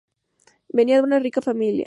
Venía de una rica familia.